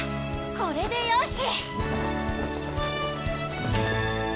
これでよし！